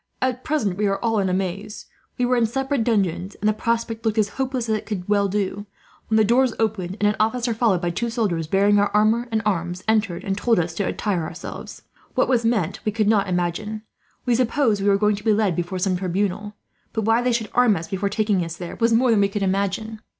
"At present we are all in a maze. We were in separate dungeons, and the prospect looked as hopeless as it could well do; when the doors opened and an officer, followed by two soldiers bearing our armour and arms, entered and told us to attire ourselves. What was meant we could not imagine. We supposed we were going to be led before some tribunal; but why they should arm us, before taking us there, was more than we could imagine.